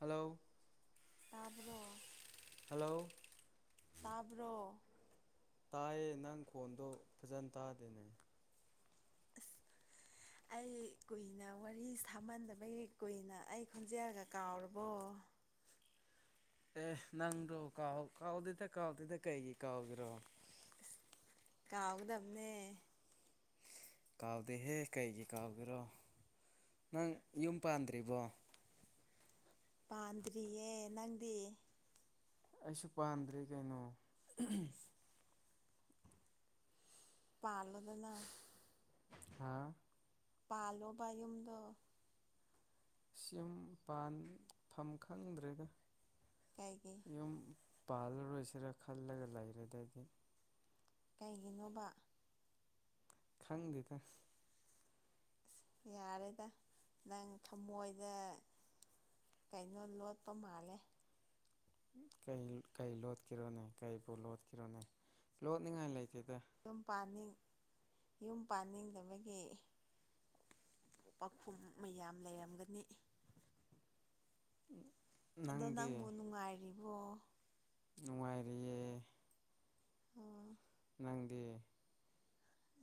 hello ꯭ꯔꯣ hello ꯇꯥꯕ꯭ꯔꯣ ꯇꯥꯏꯌꯦ ꯅꯪ ꯈꯣꯟꯗꯣ ꯐꯖꯅ ꯇꯥꯗꯦꯅꯦ [inaudible] ꯑꯩ ꯀꯨꯏꯅ ꯋꯥꯔꯤ ꯁꯥꯃꯟꯗꯕꯒꯤ ꯀꯨꯏꯅ ꯑꯩ ꯈꯣꯟꯖꯦꯜꯒ ꯀꯥꯎꯔꯕꯣ ꯑꯦ ꯅꯪꯗꯣ ꯀꯥꯎ ꯀꯥꯎꯗꯗ ꯀꯥꯎꯗꯗ ꯀꯩꯒꯤ ꯀꯥꯎꯒꯤꯔꯣ ꯀꯥꯎꯒꯗꯕꯅꯦ ꯀꯥꯎꯥꯥꯎꯗ ꯍꯦ ꯀꯩꯒꯤꯩ ꯀꯥꯎꯒꯔꯣ ꯅꯪ ꯌꯨꯝ ꯄꯥꯟꯗ꯭ꯔꯤꯕꯣ ꯄꯥꯟꯝꯗ꯭ꯔꯤꯌꯦ ꯅꯪꯗꯤ ꯑꯩꯁꯨ ꯄꯥꯝꯗ꯭ꯔꯦ ꯀꯩꯅꯣ ꯄꯥꯜꯗꯅ ꯍꯥ ꯄꯂꯣꯧꯕꯌꯨꯝꯗ ꯁꯤꯨꯝ ꯄꯥꯟꯐꯝ ꯈꯪꯗ꯭ꯔꯦꯒ ꯀꯥꯏꯒꯤ ꯄꯥꯜꯂꯔꯣꯏꯁꯤꯔꯥ ꯈꯜꯂꯒ ꯂꯩꯔꯦꯗꯗꯤ ꯀꯩꯒꯤꯅꯣꯕ ꯈꯪꯗꯦꯀ ꯌꯥꯔꯦꯗ ꯅꯪ ꯊꯃꯣꯏꯗ ꯀꯩꯅꯣ ꯂꯣꯠꯇꯣ ꯃꯥꯜꯂꯦ ꯀꯩ ꯀꯩ ꯂꯣꯠꯈꯤꯔꯣꯅꯦ ꯀꯩꯕꯨ ꯂꯣꯠꯈꯤꯔꯣꯅꯦ ꯂꯣꯠꯅꯤꯡꯉꯥꯏ ꯂꯩ ꯌꯨꯝꯅꯤꯡ ꯌꯨꯝ ꯄꯥꯅꯤꯡꯗꯕꯒꯤ ꯄꯥꯎꯈꯨꯝ ꯃꯌꯥꯝ ꯂꯩꯔꯝꯒꯅꯤ ꯎꯝ ꯑꯗꯣ ꯅꯪꯕꯨ ꯅꯨꯡꯉꯥꯏꯔꯤꯕꯣ ꯅꯨꯡꯉꯥꯏꯔꯤꯌꯦ ꯑꯣ ꯅꯪꯗꯦ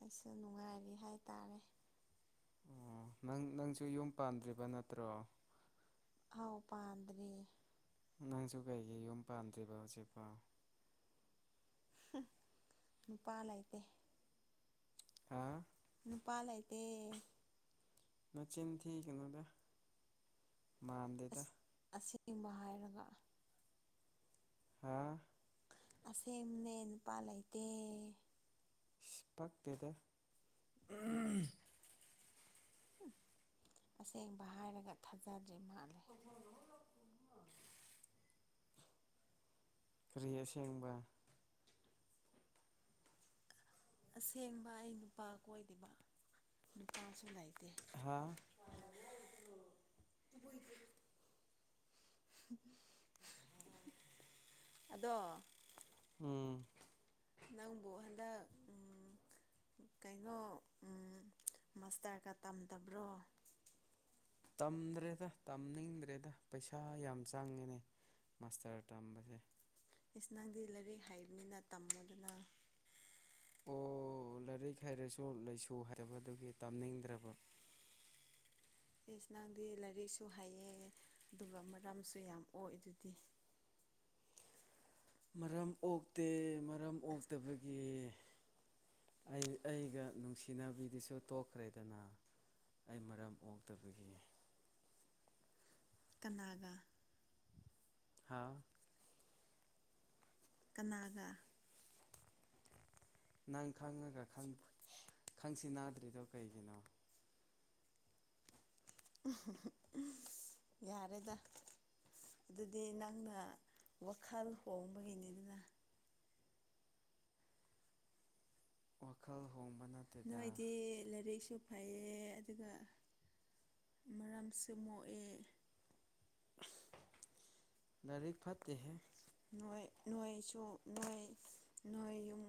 ꯑꯩꯁꯨ ꯅꯨꯡꯉꯥꯏꯔꯤ ꯍꯥꯏ ꯇꯥꯔꯦ ꯑꯣ ꯅꯪ ꯅꯪꯁꯨ ꯌꯨꯝ ꯄꯥꯟꯗ꯭ꯔꯤꯕ ꯅꯠꯇ꯭ꯔꯣ ꯍꯥꯎ ꯄꯥꯟꯗ꯭ꯔꯤ ꯅꯪꯁꯨ ꯀꯩꯒꯤ ꯌꯨꯝ ꯄꯥꯟꯗ꯭ꯦꯔꯤꯕ ꯎꯆꯦꯛꯄꯥꯎ ꯅꯨꯄꯥ ꯂꯩꯇꯦ ꯍꯥ ꯅꯨꯄꯥꯗꯤ ꯃꯆꯤꯟꯊꯤ ꯀꯩꯅꯣꯗ ꯃꯥꯟꯗꯦꯗ ꯕ ꯍꯥꯏꯔꯒ ꯍꯥꯥ ꯑꯁꯦꯝꯅꯦ ꯅꯨꯄꯥ ꯂꯩꯇꯦ ꯄꯥꯛꯇꯦꯗ ꯑꯁꯦꯡꯕ ꯍꯥꯏꯔꯒ ꯊꯥꯖꯗ꯭ꯔꯤ ꯃꯥ ꯀꯔꯤ ꯑꯁꯦꯡꯕ ꯑꯁꯦꯡꯕ ꯑꯩ ꯅꯨꯄꯥ ꯀꯣꯏꯗꯔꯤꯕ ꯅꯨꯄꯥꯁꯨ ꯂꯩꯇꯦ ꯍꯥ [inaudible] ꯑꯗꯣ ꯎꯝ ꯅꯪꯕꯨ ꯍꯟꯗꯛ ꯎ ꯀꯩꯅꯣ ꯃꯥꯁꯇꯔꯒ ꯇꯝꯗꯕ꯭ꯔꯣ ꯇꯝꯗ꯭ꯔꯦꯗ ꯇꯝꯅꯤꯡꯗ꯭ꯔꯦꯗ ꯄꯩꯁꯥ ꯌꯥꯝ ꯆꯪꯉꯤꯅꯦ ꯃꯥꯁꯇꯔ ꯇꯝꯕꯁꯦ ꯏꯁꯆ ꯅꯪꯗꯤ ꯂꯥꯏꯔꯤꯛ ꯍꯩꯕꯅꯤꯅ ꯇꯝꯃꯗꯨꯅ ꯑꯣ ꯂꯥꯏꯔꯤꯛ ꯍꯥꯏꯩꯔꯁꯨ ꯂꯩꯥꯏꯁꯨ ꯍꯥꯏꯔꯕꯗꯨꯒꯤ ꯇꯝꯅꯤꯡꯗ꯭ꯔꯕ [inaudible] ꯑꯦꯁ ꯅꯪꯗꯤ ꯂꯥꯏꯔꯤꯛꯁꯨ ꯍꯩꯌꯦ ꯑꯗꯨꯒ ꯃꯔꯝꯁꯨ ꯌꯥꯝ ꯑꯣꯏ ꯑꯗꯨꯗꯤ ꯃꯔꯝ ꯑꯣꯛꯇꯦ ꯃꯔꯝ ꯑꯣꯛꯇꯕꯒꯤ ꯑꯩ ꯑꯩꯒ ꯅꯨꯡꯁꯤꯅꯕꯤꯗꯨꯁꯨ ꯇꯣꯛꯈ꯭ꯔꯦꯗꯅ ꯑꯩ ꯃꯔꯝ ꯑꯣꯛꯇꯕꯒꯤ ꯀꯅꯥꯒꯥ ꯍꯥ ꯀꯅꯥꯒꯥ ꯅꯪ ꯈꯪꯉꯒ ꯈꯪꯁꯤ ꯅꯥꯗ꯭ꯔꯤꯗꯣ ꯀꯩꯒꯤꯅꯣ ꯌꯥꯔꯦꯗ ꯑꯗꯨꯗꯤ ꯅꯪꯅ ꯋꯥꯈꯜ ꯍꯣꯡꯕꯒꯤꯅꯤ ꯑꯗꯨꯅ ꯋꯥꯈꯜ ꯍꯣꯡꯕ ꯅꯠꯇꯦꯗ ꯅꯣꯏꯗꯤ ꯂꯥꯏꯔꯤꯛꯁꯨ ꯐꯩꯌꯦ ꯑꯗꯨꯒ ꯃꯔꯝꯁꯨꯦ ꯃꯣꯛꯑꯦ ꯗꯔ ꯐꯠꯇꯠꯇꯦ ꯍꯦ ꯅꯣꯏ ꯅꯣꯏꯁꯨ ꯅꯣꯏ ꯅꯣꯏꯌꯨꯝ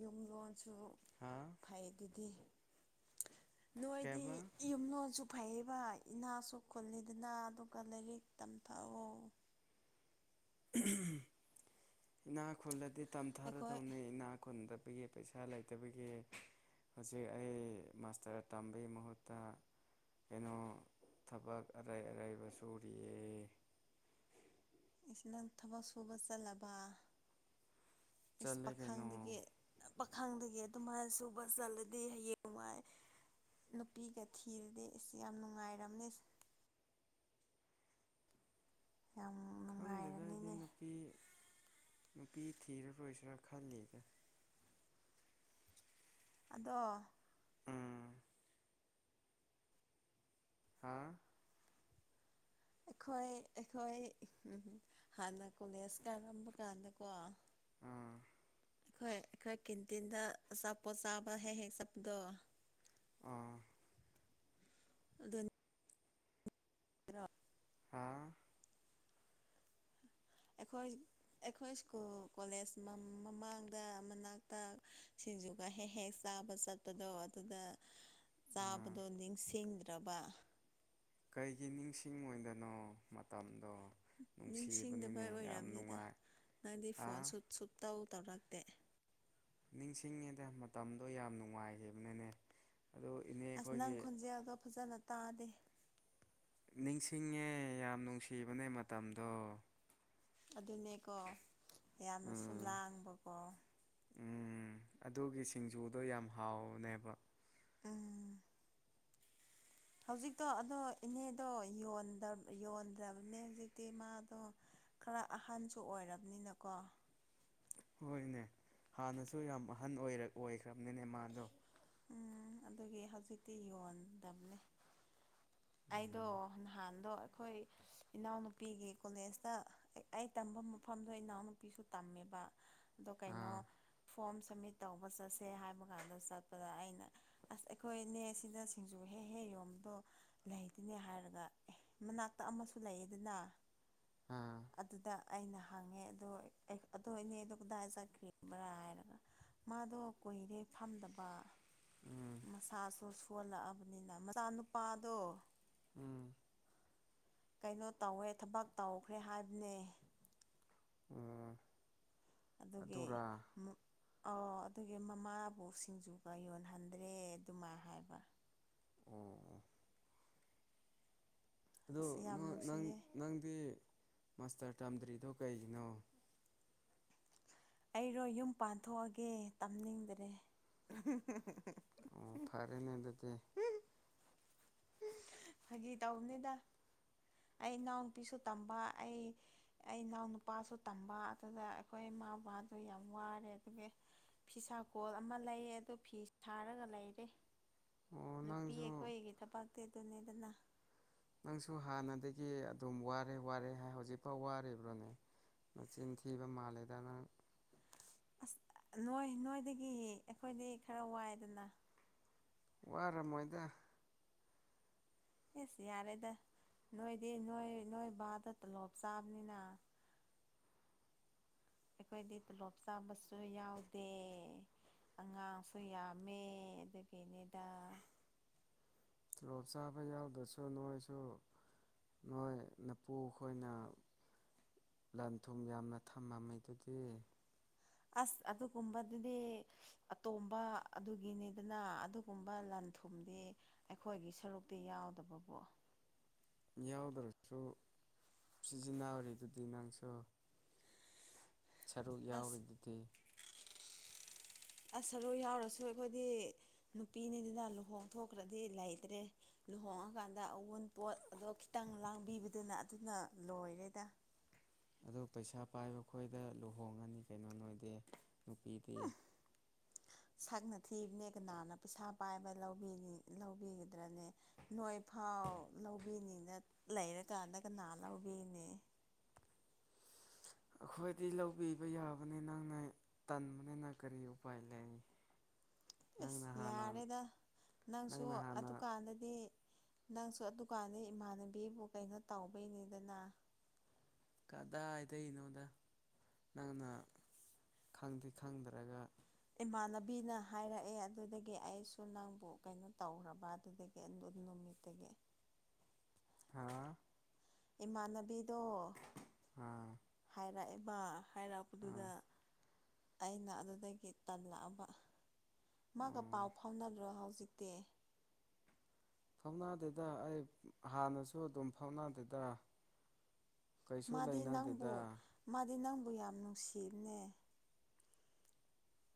ꯌꯨꯝꯂꯣꯟ ꯁꯨ ꯍꯥ ꯐꯩ ꯑꯗꯨꯗꯤ ꯅꯣꯏꯗꯤ ꯀꯩꯕ ꯌꯨꯝꯂꯣꯟꯁꯨ ꯐꯩꯕ ꯏꯅꯥꯁꯨ ꯈꯨꯜꯂꯤꯗꯅ ꯑꯗꯨꯒ ꯂꯥꯏꯔꯤꯛ ꯇꯝꯊꯎ ꯏꯅꯥ ꯈꯨꯨꯜꯂꯗꯤ ꯑꯩꯈꯣꯏ ꯇꯝꯊꯥꯔꯗꯧꯅꯤ ꯏꯅꯥ ꯈꯨꯜꯗ ꯒꯤ ꯄꯩꯁꯥ ꯂꯩꯇꯕꯒꯤ ꯍꯧꯖꯤꯛ ꯑꯩ ꯃꯥꯁꯇꯔ ꯇꯝꯕꯒꯤ ꯃꯍꯨꯠꯇ ꯀꯩꯅꯣ ꯊꯕꯛ ꯑꯔꯥꯏ ꯑꯔꯥꯏꯕ ꯁꯨꯔꯤꯌꯦ ꯏꯆꯅ ꯊꯕꯛ ꯁꯨꯕ ꯆꯠꯂꯕ ꯏꯁ ꯆꯠꯂꯦ ꯀꯩꯅꯣ ꯄꯥꯈꯪꯗꯒꯤ ꯄꯥꯈꯪꯗꯒꯤ ꯑꯗꯨꯃꯥꯏꯅ ꯁꯨꯕ ꯆꯠꯂꯗꯤ ꯍꯌꯦꯡꯅꯨꯡꯉꯥꯏ ꯅꯨꯄꯤꯒ ꯊꯤꯔꯗꯤ ꯑꯁꯤ ꯌꯥꯝ ꯅꯨꯡꯉꯥꯏꯔꯝꯅꯤ ꯌꯥꯝ ꯈꯪꯗꯗꯗꯤ ꯅꯨꯡꯉꯥꯏꯔꯅꯤꯅꯦ ꯅꯨꯄꯤ ꯅꯨꯄꯤ ꯊꯤꯔꯔꯣꯏꯁꯤꯔꯥ ꯈꯜꯂꯤꯗ ꯑꯗꯣ ꯎꯝ ꯍꯥ ꯑꯩꯈꯣꯏ ꯑꯩꯈꯣꯏ ꯍꯥꯟꯅ ꯀꯣꯂꯦꯖ ꯀꯥꯔꯝꯕ ꯀꯥꯟꯗꯀꯣ ꯑꯥ ꯑꯩꯈꯣꯏ ꯑꯩꯈꯣꯏ ꯀꯦꯟꯇꯤꯟꯗ ꯑꯆꯥꯄꯣꯠ ꯆꯥꯕ ꯍꯦꯛ ꯍꯦꯛ ꯆꯠꯄꯗꯣ ꯑꯥ ꯑꯗꯨ ꯑꯗꯨꯅꯤ ꯏꯔꯥ ꯍꯥ ꯑꯩꯈꯣꯏ ꯑꯩꯈꯣꯏ ꯁ꯭ꯀꯨꯜ ꯀꯣꯂꯦꯖ ꯃꯃꯥꯡꯗ ꯃꯅꯥꯛꯇ ꯁꯤꯡꯖꯨꯒ ꯍꯦꯛ ꯍꯦꯛ ꯆꯥꯕ ꯆꯠꯄꯗꯣ ꯑꯗꯨꯗ ꯑꯥ ꯆꯥꯕꯗꯣ ꯅꯤꯡꯁꯤꯡꯗ꯭ꯔꯕ ꯀꯩꯒꯤ ꯅꯤꯡꯁꯤꯡꯉꯏꯗꯅꯣ ꯃꯇꯝ ꯅꯤꯡꯁꯤꯡꯗꯕ ꯑꯣꯏꯔꯔꯕꯅꯤꯗ ꯅꯨꯡꯉꯥꯏ ꯅꯪꯗꯤ ꯍꯥ ꯐꯣꯟ ꯁꯨꯠ ꯁꯨꯠ ꯇꯧ ꯇꯧꯔ ꯦꯛ ꯅꯤꯡꯁꯤꯡꯉꯤꯗ ꯃꯇꯝꯗꯣ ꯌꯥꯝ ꯅꯨꯡꯉꯥꯏꯈꯤꯕꯅꯅꯦ ꯑꯁ ꯅꯪ ꯈꯣꯟꯖꯦꯜꯗꯣ ꯐꯖꯅ ꯇꯥꯗꯦ ꯅꯤꯡꯁꯤꯡꯉꯦ ꯌꯥꯝ ꯅꯨꯡꯁꯤꯕꯅꯦ ꯃꯇꯝꯗꯣ ꯑꯗꯨꯅꯦꯀꯣ ꯌꯥꯝꯅꯁꯨ ꯎꯝ ꯂꯥꯡꯕꯀꯣ ꯎꯝ ꯑꯗꯨꯒꯤ ꯁꯤꯡꯖꯨꯗꯣ ꯌꯥꯝ ꯍꯥꯎꯅꯦꯕ ꯎꯝ ꯍꯧꯖꯤꯛꯇꯣ ꯑꯗꯣ ꯏꯅꯦꯗꯣ ꯌꯣꯟꯗ꯭ꯔꯕꯅꯦ ꯍꯧꯖꯤꯛꯇꯤ ꯃꯥꯗꯣ ꯈꯔ ꯑꯍꯟꯁꯨ ꯑꯣꯏꯔꯕꯅꯤꯅꯀꯣ ꯍꯣꯏꯅꯦ ꯍꯥꯟꯅꯁꯨ ꯌꯥꯝ ꯑꯍꯟ ꯑꯣꯏ ꯑꯣꯏꯈ꯭ꯔꯕꯅꯤꯅꯦ ꯃꯥꯗꯣ ꯎꯝ ꯑꯗꯨꯒꯤ ꯍꯧꯖꯤꯛꯇꯤ ꯌꯣꯟꯗꯕꯅꯦ ꯑꯩꯗꯣ ꯎꯝ ꯅꯍꯥꯟꯗꯣ ꯑꯩꯈꯣꯏ ꯏꯅꯥꯎꯅꯨꯄꯤꯒꯤ ꯀꯣꯂꯦꯖꯇ ꯇꯝꯕ ꯃꯐꯝꯗꯣ ꯏꯅꯥꯎꯅꯨꯄꯤꯁꯨ ꯇꯝꯃꯦꯕ ꯑꯗꯣ ꯀꯩꯅꯣ ꯑꯥ ꯐꯣꯔꯝ ꯁꯝꯃꯤꯠ ꯇꯧꯕ ꯆꯠꯁꯦ ꯍꯥꯏꯕ ꯀꯥꯟꯗ ꯆꯠꯄꯗ ꯑꯩꯅ ꯑꯁ ꯑꯩꯈꯣꯏꯅꯦ ꯁꯤꯗ ꯁꯤꯡꯖꯨ ꯍꯦꯛ ꯍꯦꯛ ꯌꯣꯕꯗꯣ ꯂꯩꯗꯤꯅꯦ ꯍꯥꯏꯔꯒ ꯑꯦ ꯃꯅꯥꯛꯇ ꯑꯃꯁꯨ ꯂꯩꯌꯦ ꯑꯗꯨꯅ ꯑꯥ ꯑꯗꯨꯗ ꯑꯩꯅ ꯍꯪꯉꯦ ꯑꯗꯣ ꯑꯗꯨ ꯏꯅꯦꯗꯣ ꯀꯗꯥꯏ ꯆꯠꯈ꯭ꯔꯤꯕ꯭ꯔꯥ ꯍꯥꯏꯔꯒ ꯃꯥꯗꯣ ꯀꯨꯏꯔꯦ ꯐꯝꯗꯕ ꯄꯥ ꯎꯝ ꯃꯁꯥꯁꯨ ꯁꯣꯜꯂꯛꯑꯕꯅꯤꯅ ꯃꯆꯥ ꯅꯨꯨꯄꯥꯗꯣ ꯎꯝ ꯀꯩꯅꯣ ꯇꯧꯋꯦ ꯊꯕꯛ ꯇꯧꯈ꯭ꯔꯦ ꯍꯥꯏꯕꯅꯦ ꯎꯝ ꯑꯗꯨꯒꯤ ꯑꯗꯨꯒꯤ ꯃꯃꯥꯕꯨ ꯁꯤꯡꯖꯨꯒ ꯌꯣꯟꯍꯟꯗ꯭ꯔꯦ ꯑꯗꯨꯃꯥꯏ ꯍꯥꯏꯕ ꯎꯝ ꯑꯗ ꯑꯁ ꯌꯥꯝ ꯅꯪ ꯅꯨꯡꯁꯤꯌꯦ ꯅꯪꯗꯤ ꯃꯥꯁꯇꯔ ꯇꯝꯗ꯭ꯔꯤꯗꯣ ꯀꯩꯒꯤꯅꯣ ꯑꯩꯔꯣ ꯌꯨꯝ ꯄꯥꯟꯊꯣꯛꯑꯒꯦ ꯇꯝꯅꯤꯡꯗ꯭ꯔꯦ ꯑꯣ ꯐꯔꯦꯅꯦ ꯑꯗꯨꯗꯤ ꯐꯒꯤ ꯇꯧꯧꯕꯅꯤꯗ ꯑꯩ ꯏꯅꯥꯎꯅꯨꯄꯤꯁꯨ ꯇꯝꯕ ꯑꯩ ꯑꯩ ꯏꯅꯥꯎ ꯅꯨꯄꯥꯁꯨ ꯇꯝꯕ ꯑꯗꯨꯗ ꯑꯩꯈꯣꯏ ꯃꯥ ꯃꯥꯗꯣ ꯌꯥꯝ ꯋꯥꯔꯦ ꯑꯗꯨꯒ ꯐꯤꯁꯥꯀꯣꯜ ꯑꯃ ꯂꯩ ꯑꯗꯨ ꯐꯤ ꯁꯥꯔꯒ ꯂꯩꯔꯦ ꯑꯣ ꯅꯨꯄꯤ ꯅꯪꯁꯨ ꯑꯩꯈꯣꯏꯒꯤ ꯊꯕꯇꯦ ꯑꯗꯨꯅꯦꯗꯅ ꯅꯪꯁꯨ ꯍꯥꯟꯅꯗꯒꯤ ꯑꯗꯨꯝ ꯋꯥꯔꯦ ꯋꯥꯔꯦ ꯍꯧꯖꯤꯛꯐꯥꯎ ꯋꯥꯔꯤꯕ꯭ꯔꯣꯅꯦ ꯃꯆꯤꯟ ꯊꯤꯕ ꯃꯥꯜꯂꯦꯗ ꯅꯪ ꯑꯁ ꯅꯣꯏ ꯅꯣꯏꯗꯒꯤ ꯑꯩꯈꯣꯏꯗꯤ ꯈꯔ ꯋꯥꯏꯗꯅ ꯋꯥꯔꯝꯃꯣꯏꯗ ꯑꯦꯁꯤ ꯌꯥꯔꯦꯗ ꯅꯣꯏꯗꯤ ꯅꯣꯏ ꯅꯣꯏ ꯕꯥꯗ ꯇꯣꯂꯣꯞ ꯆꯥꯕꯅꯤꯅ ꯑꯩꯈꯣꯏꯗꯤ ꯇꯣꯂꯣꯞ ꯆꯥꯕꯁꯨ ꯌꯥꯎꯗꯦ ꯑꯉꯥꯡꯁꯨ ꯌꯥꯝꯃꯦ ꯑꯗꯨꯒꯤꯅꯤꯗ ꯇꯣꯂꯣꯞ ꯆꯥꯕ ꯌꯥꯎꯗ꯭ꯔꯁꯨ ꯅꯣꯏꯁꯨ ꯅꯣꯏ ꯃꯄꯨ ꯑꯩꯈꯣꯏꯅ ꯂꯟ ꯊꯨꯝ ꯌꯥꯝꯅ ꯊꯝꯂꯝꯝꯃꯤ ꯑꯗꯨꯗꯤ ꯑꯁ ꯑꯗꯨꯒꯨꯝꯕꯗꯨꯗꯤ ꯑꯇꯣꯝꯕ ꯑꯗꯨꯒꯤꯅꯤꯗꯅ ꯑꯗꯨꯒꯨꯝꯕ ꯊꯨꯝꯗꯤ ꯑꯩꯈꯣꯏꯒꯤ ꯁꯔꯨꯛꯇꯤ ꯌꯥꯎꯗꯕꯀꯣ ꯌꯥꯎꯗ꯭ꯔꯁꯨ ꯁꯤꯖꯤꯟꯅꯔꯤ ꯑꯗꯨꯗꯤ ꯅꯪꯁꯨ ꯁꯔꯨꯛ ꯑꯁ ꯌꯥꯎꯔꯤꯗꯨꯗꯤ ꯑꯁ ꯁꯔꯨ ꯌꯥꯎꯔꯁꯨ ꯑꯩꯈꯣꯏꯗꯤ ꯅꯨꯄꯤꯅꯤꯗꯨꯅ ꯂꯨꯍꯣꯡ ꯊꯣꯛꯈ꯭ꯔꯗꯤ ꯂꯩꯇ꯭ꯔꯦ ꯂꯨꯍꯣꯡꯉꯀꯥꯟꯗ ꯑꯋꯣꯟꯄꯣꯠ ꯑꯗꯣ ꯈꯤꯇꯪ ꯂꯥꯡꯕꯤꯕꯗꯨꯅ ꯑꯗꯨꯅ ꯂꯣꯏꯔꯦꯗ ꯑꯗꯨ ꯄꯩꯁꯥ ꯄꯥꯏꯕ ꯈꯈꯣꯏꯗ ꯂꯨꯍꯣꯡꯉꯅꯤ ꯀꯩꯅꯣ ꯅꯣꯏꯗꯤ ꯅꯨꯄꯤꯗꯤ ꯁꯛꯅ ꯊꯤꯕꯅꯦꯒ ꯅꯥꯟꯅ ꯄꯩꯁꯥ ꯄꯥꯏꯕꯧꯕ ꯂꯧꯕꯤꯒꯗ꯭ꯔꯅꯦ ꯅꯣꯏ ꯐꯥꯎ ꯂꯧꯕꯤꯅꯤꯅ ꯂꯩꯔ ꯇ ꯑꯗꯒ ꯅꯅ ꯎꯕꯦꯅꯦ ꯑꯩꯈꯣꯏꯗꯤ ꯂꯧꯕꯤꯕ ꯌꯥꯕꯅꯤ ꯅꯪꯅ ꯇꯟꯕꯅꯤꯅ ꯀꯔꯤ ꯎꯄꯥꯏ ꯂꯩ ꯅꯪꯅ ꯑꯦꯁ ꯍꯥꯟꯅ ꯌꯥꯔꯦꯗ ꯅꯪꯁꯨ ꯅꯪꯅ ꯍꯥꯟꯅ ꯑꯗꯨꯀꯥꯟꯗꯗꯤ ꯅꯪꯁꯨ ꯑꯗꯨꯀꯥꯟꯒꯤ ꯏꯃꯥꯟꯅꯕꯤꯕꯨ ꯀꯩꯅꯣ ꯇꯧꯕꯩꯅꯤꯗꯅ ꯀꯗꯥ ꯍꯥꯏꯗꯒꯤꯩꯅꯣꯗ ꯅꯪꯅ ꯈꯪꯗꯤꯦ ꯈꯪꯗꯔꯒ ꯏꯃꯥꯟꯅꯕꯤꯅ ꯍꯥꯏꯔꯛꯑꯦ ꯑꯗꯨꯗꯒꯤ ꯑꯩꯁꯨ ꯅꯪꯕꯨ ꯀꯩꯅꯣ ꯇꯧꯕ ꯑꯗꯨꯗꯒꯤ ꯅꯨꯇꯒꯤꯦ ꯍꯥ ꯏꯃꯥꯟꯅꯕꯤꯗꯣ ꯑꯥ ꯑꯥ ꯍꯥꯏꯔꯛꯑꯦꯕ ꯍꯥꯏꯔꯛꯄꯗꯨꯗ ꯑꯩꯅ ꯑꯗꯨꯗꯒꯤ ꯇꯜꯂꯛꯑꯕ ꯃꯥꯒ ꯄꯥꯎ ꯑꯣ ꯐꯥꯎꯅꯗ꯭ꯔꯣ ꯍꯧꯖꯤꯛꯇꯤ ꯐꯥꯎꯅꯥꯗꯨꯗ ꯑꯩ ꯍꯥꯟꯅꯁꯨ ꯑꯗꯨꯝ ꯐꯥꯎꯅꯥꯗꯨꯗ ꯃꯥꯗꯤ ꯅꯪꯕꯨ ꯃꯥꯗꯤ ꯅꯪꯕꯨ ꯌꯥꯝ ꯅꯨꯡꯁꯤꯕꯅꯦ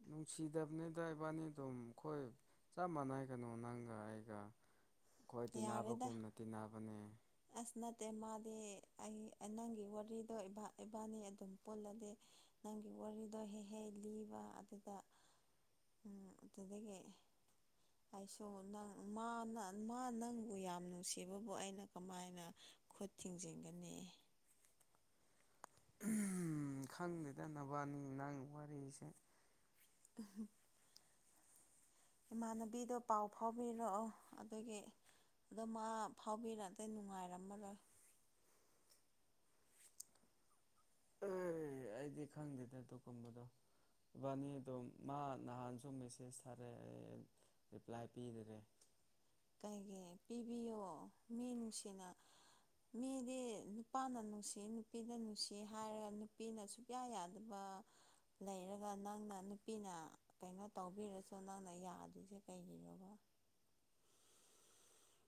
ꯅꯨꯡꯁꯤꯗꯕꯅꯤꯗ ꯏꯕꯥꯅꯤ ꯑꯗꯨꯝ ꯑꯩꯈꯣꯏ ꯆꯞ ꯃꯥꯟꯅꯩꯒꯅꯨ ꯅꯪꯒ ꯑꯩꯒ ꯑꯩꯈꯣꯏ ꯌꯥꯔꯦꯗ ꯇꯤꯟꯅꯕꯒꯨꯝꯅ ꯇꯤꯟꯅꯕꯅꯦ ꯑꯦ ꯃꯥꯗꯤ ꯑꯩ ꯅꯪꯒꯤ ꯋꯥꯔꯤꯗꯣ ꯏꯕꯥꯅꯤ ꯑꯗꯨꯝ ꯄꯨꯣꯜꯂꯗꯤꯦ ꯅꯪꯒꯤ ꯋꯥꯔꯤꯗꯣ ꯍꯦꯛ ꯍꯦꯛ ꯂꯤꯕ ꯑꯗꯨꯗ ꯑꯗꯨꯗꯒꯤ ꯑꯩꯁꯨꯣ ꯅꯪ ꯃꯥꯅ ꯃꯥ ꯅꯪꯕꯨ ꯌꯥꯝ ꯅꯨꯡꯁꯤꯕꯕꯨ ꯑꯩꯅ ꯀꯃꯥꯏꯅ ꯈꯨꯠ ꯊꯤꯡꯖꯤꯟꯒꯅꯤ ꯈꯪꯗꯦꯗꯅꯕꯅꯤ ꯅꯪ ꯋꯥꯔꯤꯁꯦ ꯎ ꯏꯃꯥꯟꯅꯕꯤꯗꯣ ꯄꯥꯎ ꯐꯥꯎꯕꯤꯔꯛꯑꯣ ꯑꯗꯨꯒꯤ ꯑꯗꯣ ꯃꯥ ꯐꯥꯎꯕꯤꯔ ꯑꯇꯩ ꯅꯨꯡꯉꯥꯏꯔꯝꯃ ꯂꯣꯏ [inaudible] ꯑꯩ ꯑꯩꯗꯤ ꯈꯪꯗꯦꯗꯦ ꯑꯗꯨꯒ ꯀꯨꯝꯕꯗꯣ ꯕꯥꯅꯤ ꯑꯗꯨꯝ ꯃꯥ ꯅꯍꯥꯟꯁꯨ ꯃꯦꯁꯦꯁ ꯊꯥꯔꯦ ꯔꯤꯄ꯭ꯂꯥꯏ ꯄꯤꯗꯔꯦ ꯀꯩꯒꯤ ꯄꯤꯕꯤꯌꯣ ꯃꯤ ꯅꯨꯡꯁꯤꯅ ꯃꯤꯗꯤ ꯅꯨꯄꯥꯅ ꯅꯨꯡꯁꯤ ꯅꯨꯄꯤꯅ ꯅꯨꯡꯁꯤ ꯍꯥꯏꯔꯒ ꯅꯨꯄꯤꯅ ꯁꯨꯛꯌꯥ ꯌꯥꯗꯕ [inaudible] ꯂꯩꯔꯒ ꯅꯪꯅ ꯅꯨꯄꯤꯅ ꯀꯩꯅꯣ ꯇꯧꯕꯤꯔꯁꯨ ꯅꯪꯅ ꯌꯥꯗꯣꯏꯁꯦ ꯀꯩꯒꯤꯅꯣꯕ [inaudible]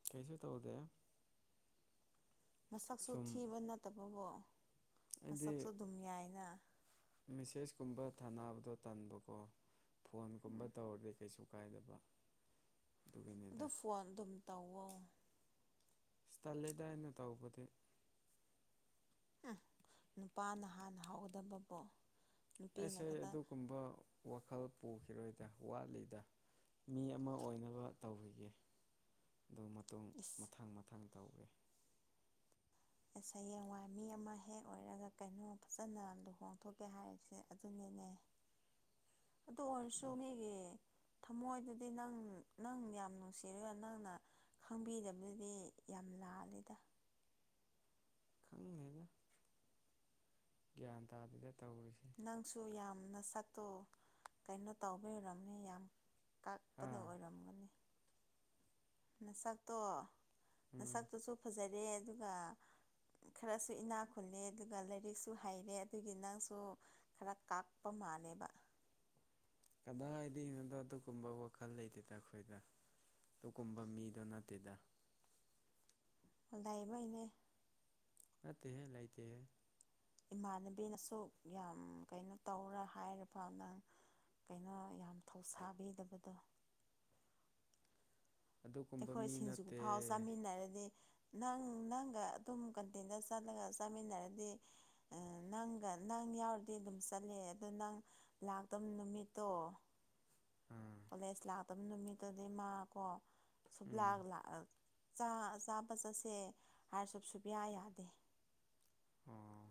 ꯀꯩꯁꯨ ꯇꯧꯗꯦ ꯃꯁꯛꯁꯨ ꯊꯤꯕ ꯅꯠꯇꯕꯕꯣ ꯑꯗꯨꯗꯤ ꯃꯤꯁꯦꯁ ꯀꯨꯝꯕ ꯊꯥꯅꯕꯗꯣ ꯇꯟꯕꯀꯣ ꯐꯣꯟꯒꯨꯝꯕ ꯇꯧꯔꯗꯤ ꯀꯩꯁꯨ ꯊ ꯀꯥꯏꯗꯕ ꯑ ꯑꯗꯨꯒꯤꯅꯤꯗ ꯐꯣꯟ ꯑꯗꯨꯝ ꯇꯧꯋꯣ ꯏꯁ ꯇꯂꯗꯥ ꯍꯥꯏꯅ ꯇꯧꯕꯗꯤ ꯎꯝ ꯅꯨꯄꯥꯅ ꯍꯥꯟꯅ ꯍꯥꯎꯒꯗꯕꯕꯨꯣ ꯑꯩꯁ ꯑꯗꯨꯒꯨꯝꯕ ꯋꯥꯈꯜ ꯄꯨꯈꯤꯔꯣꯏꯗ ꯋꯥꯠꯂꯤꯗ ꯃꯤ ꯑꯃ ꯑꯣꯏꯅꯕ ꯇꯧꯈꯤꯒꯦ ꯑꯗꯨꯣ ꯃꯇꯨꯡ ꯏꯁ ꯃꯊꯪ ꯃꯊꯪ ꯇꯧꯋꯦ ꯍꯥꯌꯦꯡꯋꯥꯏ ꯃꯤ ꯑꯃ ꯍꯦꯛ ꯑꯣꯏꯔꯒ ꯀꯩꯅꯣ ꯐꯖꯅ ꯂꯨꯍꯣꯡꯊꯣꯛꯀꯦ ꯍꯥꯏꯔꯤꯁꯦ ꯑꯗꯨꯅꯤꯅꯦ ꯑꯗꯣ ꯁꯦ ꯊꯃꯣꯏꯗꯨꯗꯤ ꯅꯪ ꯅꯪ ꯌꯥꯝ ꯅꯨꯡꯁꯤꯔꯣꯏ ꯅꯪꯅ ꯈꯪꯕꯤꯗꯕꯗꯨꯗꯤ ꯌꯥꯝ ꯂꯥꯜꯂꯦꯗ ꯌꯦꯟ ꯍꯥꯏꯗꯗꯦ ꯅꯪꯁꯨ ꯌꯥꯝꯅ ꯁꯛꯇꯣ ꯀꯩꯅꯣ ꯇꯤꯔꯔꯝꯃꯦ ꯌꯥꯝ ꯇꯥꯛꯄꯗ ꯑꯥ ꯑꯣꯏꯔꯝꯒꯅꯤ ꯃꯁꯛꯇꯣ ꯎꯝ ꯃꯁꯛꯇꯨꯁꯨ ꯐꯖꯔꯦ ꯑꯗꯨꯒ ꯈꯔꯁꯨ ꯏꯅꯥ ꯈꯨꯜꯂꯦ ꯑꯗꯨꯒ ꯂꯥꯏꯔꯤꯛꯁꯨ ꯍꯩꯔꯦ ꯑꯗꯨꯒꯤ ꯅꯪꯁꯨ ꯈꯔ ꯀꯥꯛꯄ ꯃꯥꯅꯦꯕ ꯀꯗꯥꯏꯋꯥꯏꯗꯩꯅꯣꯗꯣ ꯑꯗꯨꯒꯨꯝꯕ ꯋꯥꯈꯜ ꯂꯩꯇꯦꯗ ꯑꯩꯈꯣꯏꯗ ꯑꯗꯨꯒꯨꯝꯕ ꯃꯤꯗꯣ ꯅꯠꯇꯦꯗ ꯗꯏ ꯃ ꯑꯅꯦ ꯅꯠꯇꯦꯍꯦ ꯂꯩꯇꯦ ꯍꯦ ꯏꯃꯥꯟꯅꯕꯤꯅꯁꯨ ꯌꯥꯝ ꯀꯩꯅꯣ ꯇꯧꯔ ꯍꯥꯏꯔꯔꯕ ꯅꯪ ꯀꯩꯅꯣ ꯌꯥꯝ ꯊꯧꯁꯥꯕꯤꯗꯕꯗꯣ ꯑꯗꯨꯒꯨꯝꯕ ꯑꯩꯈꯣꯏ ꯃꯤ ꯁꯤꯡꯖꯨꯒ ꯅꯠꯇꯦ ꯐꯥꯎ ꯆꯥꯃꯤꯟꯅꯔꯗꯤ ꯅꯪ ꯅꯪꯒ ꯑꯗꯨꯝ ꯀꯟꯇꯦꯟꯗ ꯆꯠꯂꯒ ꯆꯥꯃꯤꯟꯅꯔꯗꯤ ꯅꯪꯒ ꯅ ꯅ ꯌꯥꯎꯔꯗꯤ ꯑꯗꯨꯝ ꯆꯠꯂꯦ ꯑꯗꯣ ꯅꯪ ꯂꯥꯛꯇꯕ ꯅꯨꯃꯤꯠꯇꯣ ꯑꯥ ꯀꯣꯂꯦꯖ ꯂꯥꯛꯇꯕ ꯅꯨꯃꯤꯠꯇꯨꯗꯤ ꯃꯥ ꯀꯣ ꯎꯝ ꯁꯨꯞꯂꯥ ꯆꯥꯕ ꯆꯠꯁꯦ ꯍꯥꯏꯔꯁꯨ ꯁꯨꯕꯤꯌꯥ ꯌꯥꯗꯦ ꯑꯣ